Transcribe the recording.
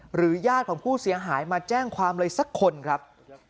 หรือญาติของผู้เสียหายมาแจ้งความเลยสักคนครับ